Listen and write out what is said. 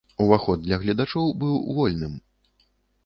Уваход для гледачоў быў вольным.